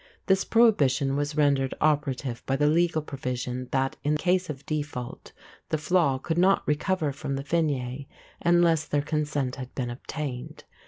This prohibition was rendered operative by the legal provision that in case of default the flaith could not recover from the fine unless their consent had been obtained.